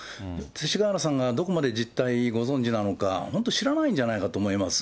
勅使河原さんがどこまで実態ご存じなのか、本当、知らないんじゃないかと思います。